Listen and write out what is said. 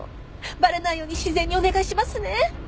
バレないように自然にお願いしますね。